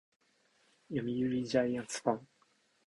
読売ジャイアンツファン